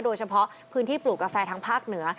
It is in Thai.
โดยเฉพาะพื้นที่ปลูกกาแฟทางภาคเหนือ